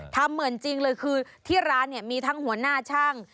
ทำเหมือนจริงเลยคือที่ร้านเนี่ยมีทั้งหัวหน้าช่าง